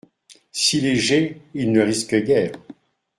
Si légers, ils ne risquent guère.